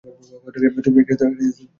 তুমি চাও আমি থাকি?